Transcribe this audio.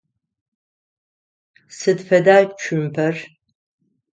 Сыд фэда цумпэр?